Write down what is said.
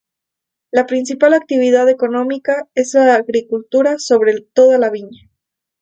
La principal actividad económica es la agricultura, sobre todo la viña.